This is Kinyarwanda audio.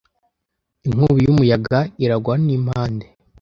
Inkubi y'umuyaga irangwa n'impande